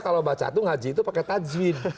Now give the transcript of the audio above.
kalau baca itu ngaji itu pakai tajwin